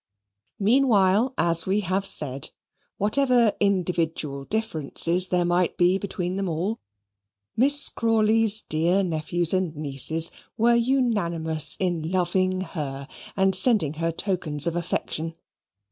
Meanwhile, as we have said, whatever individual differences there might be between them all, Miss Crawley's dear nephews and nieces were unanimous in loving her and sending her tokens of affection.